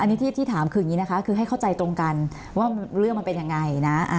อันนี้ที่ถามกันคือยังไงนะคะให้เข้าใจตรงกันว่าเรื่องมันเป็นยังไง